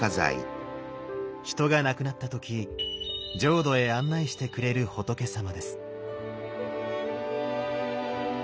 人が亡くなった時浄土へ案内してくれる仏様です。